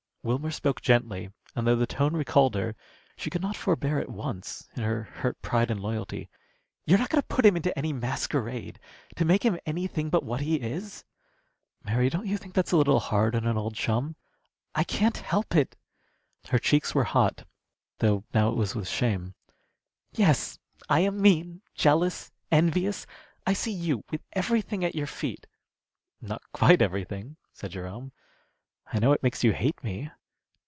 Wilmer spoke gently, and though the tone recalled her, she could not forbear at once, in her hurt pride and loyalty. "You're not going to put him into any masquerade? to make him anything but what he is?" "Mary, don't you think that's a little hard on an old chum?" "I can't help it." Her cheeks were hot, though now it was with shame. "Yes, I am mean, jealous, envious. I see you with everything at your feet " "Not quite everything," said Jerome. "I know it makes you hate me."